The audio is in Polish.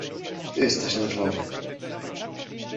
Ty jesteś nerwowy.